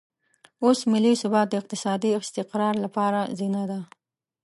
اوس ملي ثبات د اقتصادي استقرار لپاره زینه ده.